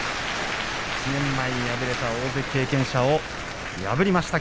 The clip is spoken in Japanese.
１年前に敗れた大関経験者を破りました。